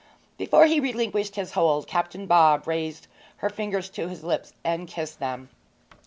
Before he relinquished his hold, Captain Bob raised her fingers to his lips and kissed them.